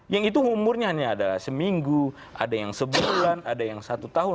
yang itu umurnya hanya ada seminggu ada yang sebulan ada yang satu tahun